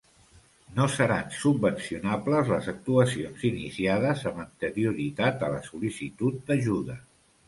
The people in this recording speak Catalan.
No seran subvencionables les actuacions iniciades amb anterioritat a la sol·licitud d'ajuda.